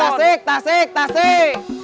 tasik tasik tasik